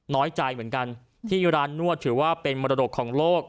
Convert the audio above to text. น้อยใจเหมือนกันที่ร้านนวดถือว่าเป็นมรดกของโลก